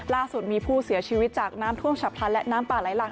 ล่าสุดมีผู้เสียชีวิตจากน้ำท่วมฉับพลันและน้ำป่าไหลหลาก